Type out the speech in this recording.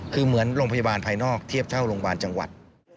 คือเหมือนโรงพยาบาลภายนอกเทียบเท่าโรงพยาบาลจังหวัด